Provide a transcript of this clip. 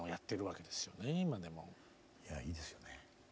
いやいいですよね。